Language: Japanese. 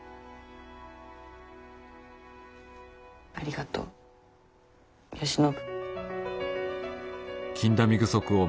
ありがとう吉信。